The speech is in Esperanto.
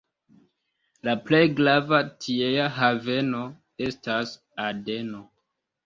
La plej grava tiea haveno estas Adeno.